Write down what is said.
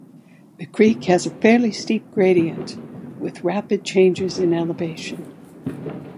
The creek has a fairly steep gradient, with rapid changes in elevation.